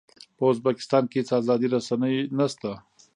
په ازبکستان کې هېڅ ازادې رسنۍ نه شته.